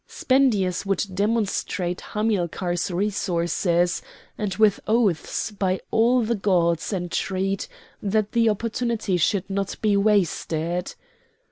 Spendius would demonstrate Hamilcar's resources, and with oaths by all the gods entreat that the opportunity should not be wasted.